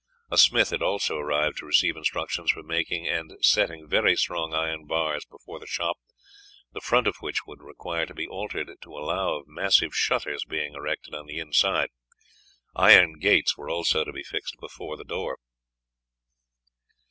A smith had also arrived to receive instructions for making and setting very strong iron bars before the shop, the front of which would require to be altered to allow of massive shutters being erected on the inside. Iron gates were also to be fixed before the door.